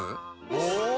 お！